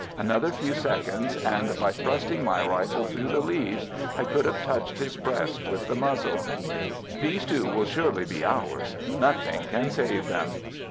Another few seconds, and by thrusting my rifle through the leaves I could have touched his breast with the muzzle. These two will surely be ours; nothing can save them!